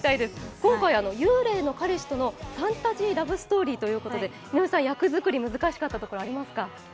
今回、幽霊の彼氏とのファンタジーラブストーリーということで、井上さん、役作り難しかったところありますか？